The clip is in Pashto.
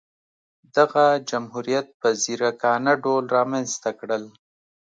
دغه جمهوریت په ځیرکانه ډول رامنځته کړل.